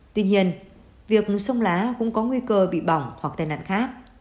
tuy nhiên việc sông lá cũng có nguy cơ bị bỏng hoặc tai nạn khác